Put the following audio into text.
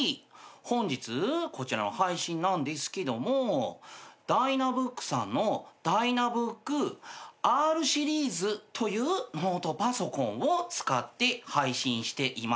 本日こちらの配信なんですけどもｄｙｎａｂｏｏｋさんのｄｙｎａｂｏｏｋＲシリーズというノートパソコンを使って配信していました。